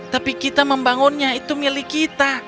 tapi kita membangunnya itu milik kita